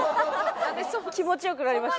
気持ち良くなりました？